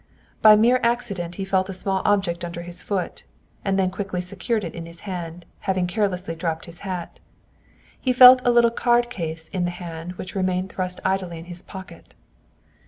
By a mere accident he felt a small object under his foot, and then quickly secured it in his hand, having carelessly dropped his hat. He felt a little card case in the hand which remained thrust idly in his pocket.